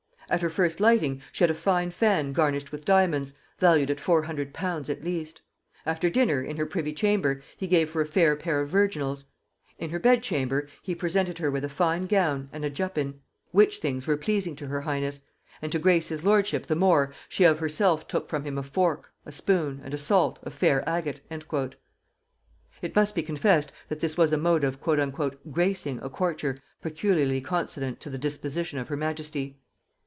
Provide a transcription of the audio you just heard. At her first lighting she had a fine fan garnished with diamonds, valued at four hundred pounds at least. After dinner, in her privy chamber, he gave her a fair pair of virginals. In her bed chamber, he presented her with a fine gown and a juppin, which things were pleasing to her highness; and, to grace his lordship the more, she of herself took from him a fork, a spoon, and a salt, of fair agate." It must be confessed that this was a mode of "gracing" a courtier peculiarly consonant to the disposition of her majesty.